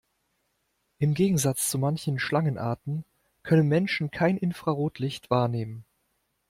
Im Gegensatz zu manchen Schlangenarten können Menschen kein Infrarotlicht wahrnehmen.